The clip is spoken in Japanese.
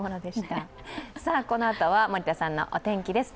このあとは森田さんのお天気です。